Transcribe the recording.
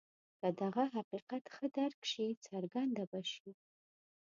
که دغه حقیقت ښه درک شي څرګنده به شي.